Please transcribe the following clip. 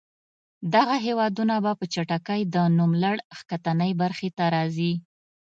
دغه هېوادونه به په چټکۍ د نوملړ ښکتنۍ برخې ته راځي.